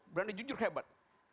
berani jujur hebat